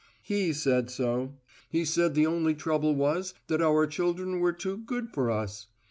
He said so. He said the only trouble was that our children were too good for us."